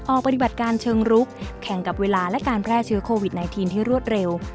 ออกปฏิบัติการเชิงรุกแข่งกับเวลาและการแพร่เชื้อโควิด๑๙ให้รวดเร็ว